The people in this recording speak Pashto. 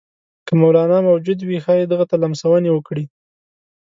که مولنا موجود وي ښايي دغه ته لمسونې وکړي.